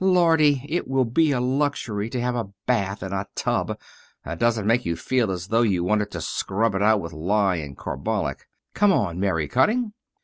Lordy! It will be a luxury to have a bath in a tub that doesn't make you feel as though you wanted to scrub it out with lye and carbolic. Come on, Mary Cutting."